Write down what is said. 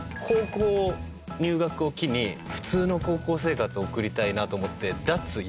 高校入学を機に普通の高校生活送りたいなと思って。